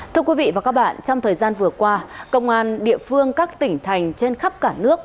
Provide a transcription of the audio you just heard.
thưa quý vị và các bạn trong thời gian vừa qua công an địa phương các tỉnh thành trên khắp cả nước